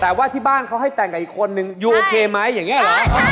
แต่ว่าที่บ้านเขาให้แต่งกับอีกคนนึงยูโอเคไหมอย่างนี้เหรอ